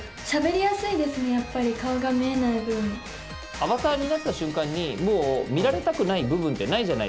アバターになった瞬間にもう見られたくない部分ってないじゃないですか。